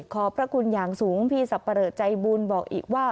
ขอบพระคุณอย่างสูงพี่สับปะเลอใจบุญบอกอีกว่า